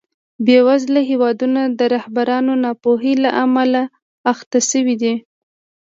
بېوزله هېوادونه د رهبرانو ناپوهۍ له امله اخته شوي دي.